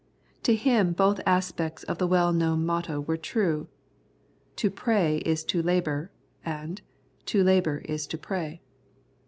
To him both aspects of the well known motto were true :" To pray is to labour," and " To labour is to pray."